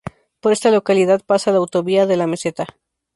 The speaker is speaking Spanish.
Por esta localidad pasa la Autovía de la Meseta.